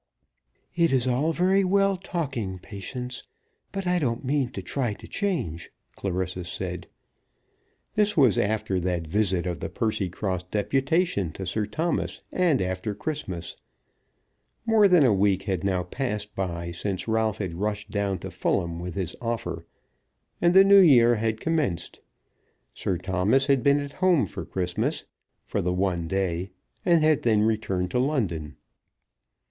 "It is all very well talking, Patience, but I don't mean to try to change," Clarissa said. This was after that visit of the Percycross deputation to Sir Thomas, and after Christmas. More than a week had now passed by since Ralph had rushed down to Fulham with his offer, and the new year had commenced. Sir Thomas had been at home for Christmas, for the one day, and had then returned to London.